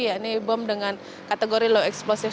yakni bom dengan kategori low explosive